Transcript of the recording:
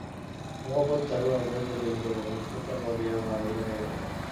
উমাপদ চারুর অধৈর্য দেখিয়া কোনো ছুতা করিয়া বাহির হইয়া গেল।